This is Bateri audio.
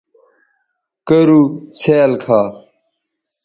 کرُو څھیال کھا